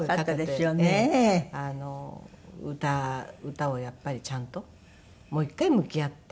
歌をやっぱりちゃんともう一回向き合って。